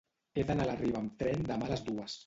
He d'anar a la Riba amb tren demà a les dues.